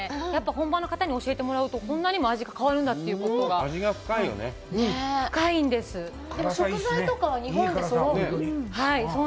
本場の方に教えてもらうとこんなに味が変わるんだって味が深いよね深いんですでも食材とかは日本でそろう？